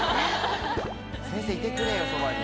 先生いてくれよそばに。